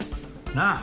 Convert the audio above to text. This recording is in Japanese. なあ？